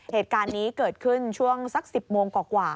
เหตุการณ์นี้เกิดขึ้นช่วงสัก๑๐โมงกว่า